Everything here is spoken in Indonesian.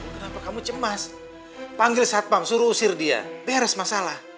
kenapa kamu cemas panggil satpam suruh usir dia beres masalah